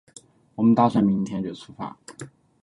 我们打算明天就出发